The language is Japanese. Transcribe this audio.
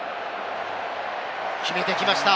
決めてきました！